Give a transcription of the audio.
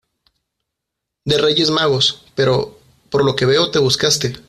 de Reyes Magos, pero... por lo que veo te buscaste